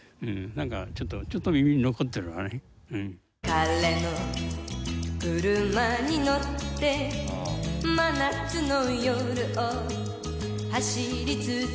「彼の車にのって」「真夏の夜を走りつづけた」